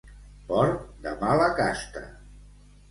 Porc de mala casta.